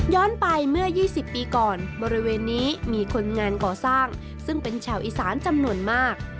ไปเมื่อ๒๐ปีก่อนบริเวณนี้มีคนงานก่อสร้างซึ่งเป็นชาวอีสานจำนวนมาก